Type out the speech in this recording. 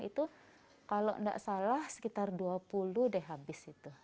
itu kalau tidak salah sekitar dua puluh deh habis itu